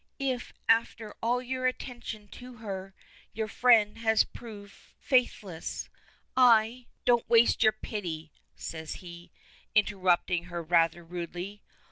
"If, after all your attention to her, your friend has proved faithless, I " "Don't waste your pity," says he, interrupting her rather rudely.